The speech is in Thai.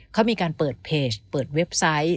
เขามีการเปิดเพจเปิดเว็บไซต์